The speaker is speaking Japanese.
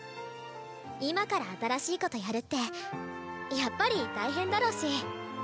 今から新しいことやるってやっぱり大変だろうし。